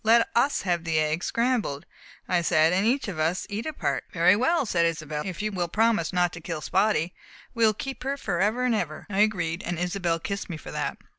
"Let us have the egg scrambled," I said, "and each of us eat a part." "Very well," said Isobel, "if you will promise not to kill Spotty. We will keep her forever and forever!" I agreed. Isobel kissed me for that.